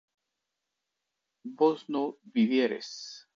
vos no vivieres